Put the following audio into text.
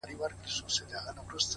• یوه ورځ ورسره کېږي حسابونه,